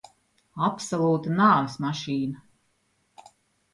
Absolūta nāves mašīna.